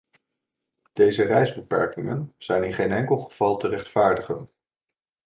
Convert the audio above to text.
Deze reisbeperkingen zijn in geen enkel geval te rechtvaardigen.